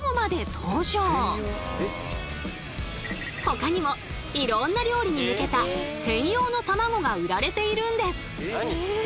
ほかにもいろんな料理に向けた専用のたまごが売られているんです。